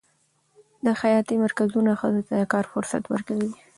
د خیاطۍ مرکزونه ښځو ته د کار فرصت ورکوي.